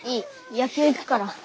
野球行くから。